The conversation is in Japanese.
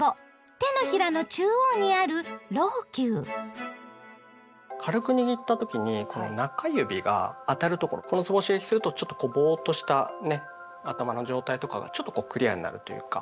手のひらの中央にある軽く握った時にこの中指が当たるところこのつぼを刺激するとちょっとこうボーっとしたね頭の状態とかがちょっとこうクリアになるというか。